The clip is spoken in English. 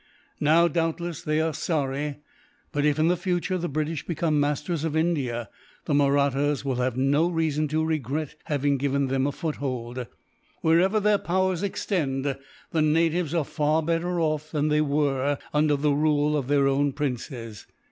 Now, doubtless, they are sorry; but if in the future the British become masters of India, the Mahrattas will have no reason to regret having given them a foothold. Wherever their powers extend, the natives are far better off than they were under the rule of their own princes.